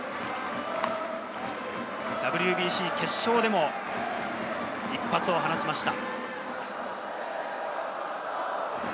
ＷＢＣ決勝でも一発を放ちました。